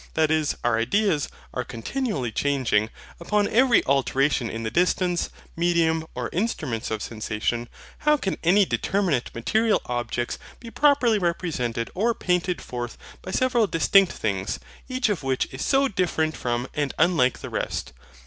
that is, our ideas, are continually changing, upon every alteration in the distance, medium, or instruments of sensation; how can any determinate material objects be properly represented or painted forth by several distinct things, each of which is so different from and unlike the rest?